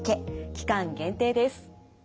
期間限定です。